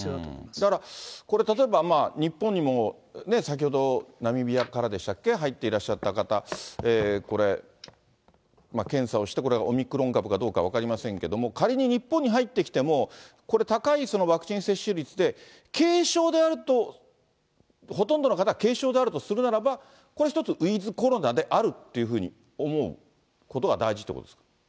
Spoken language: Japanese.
だから、これ、例えば日本にも先ほどナミビアからでしたっけ、入っていらっしゃった方、これ、検査をして、これ、オミクロン株かどうか分かりませんけれども、仮に日本に入ってきても、これ、高いワクチン接種率で、軽症であると、ほとんどの方が軽症であるとするならば、これ一つ、ウィズコロナであると思うことは大事ってことですか。